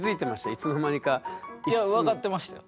いつの間にか。いや分かってましたよ。